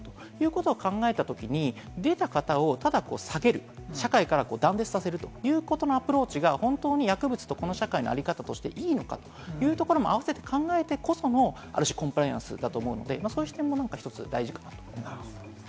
そう考えたときに、出た方をただ避ける、社会から断絶させるということのアプローチが本当に薬物と、この社会のあり方として、いいのかというところもあわせて考えてこそのコンプライアンスだと思うので、そういう視点も大事かなと思います。